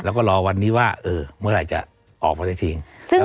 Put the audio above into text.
แล้วก็รอวันนี้ว่าเมื่อไหร่จะออกมาได้จริง